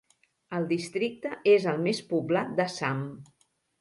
El districte és el més poblat d'Assam.